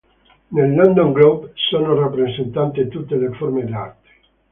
Nel London Group sono rappresentate tutte le forme d'arte.